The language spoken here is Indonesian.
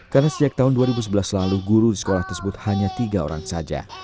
karena sejak tahun dua ribu sebelas lalu guru di sekolah tersebut hanya tiga orang saja